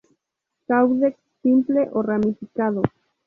Caudex simple o ramificado.